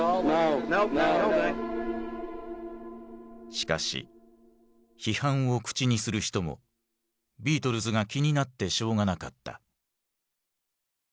しかし批判を口にする人もビートルズが気になってしょうがなかった。